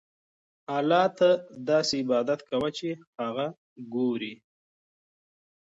الله ته داسې عبادت کوه چې هغه ګورې.